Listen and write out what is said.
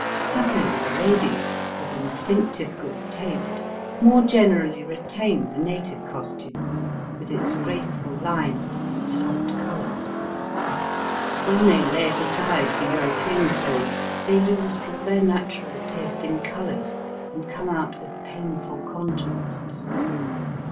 Happily the ladies, with in stinctive good taste, more generally retain the native costume, with its graceful lines and Digitized by VjOOQIC SOME JAPANESE TBAITS. 185 soft colours. When they lay it aside for European clothes they lose aU their natural taste in colours, and come out with painful contrasts.